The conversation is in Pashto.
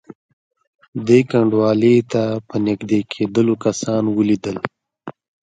دې کنډوالې ته په نږدې کېدلو کسان ولیدل.